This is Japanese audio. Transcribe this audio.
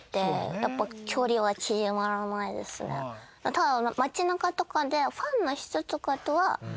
ただ。